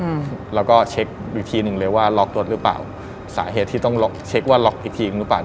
อืมแล้วก็เช็คอีกทีหนึ่งเลยว่าล็อกรถหรือเปล่าสาเหตุที่ต้องล็อกเช็คว่าล็อกอีกทีหรือเปล่า